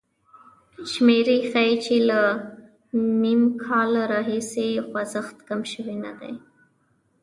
شمېرې ښيي چې له م کال راهیسې خوځښت کم شوی نه دی.